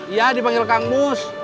iya dipanggil kang mus